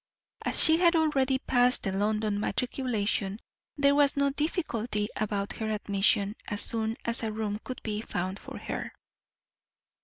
As she had already passed the London Matriculation, there was no difficulty about her admission as soon as room could be found for her.